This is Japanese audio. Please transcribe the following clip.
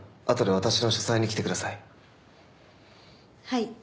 あとで私の書斎に来てください。